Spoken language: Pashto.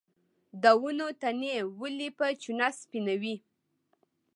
د ونو تنې ولې په چونه سپینوي؟